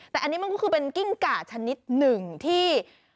แต่อันนี้มันก็คือเป็นกิ้งก่าชนิดหนึ่งที่